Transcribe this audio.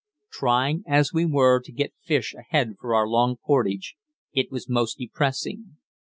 Trying as we were to get fish ahead for our long portage, it was most depressing.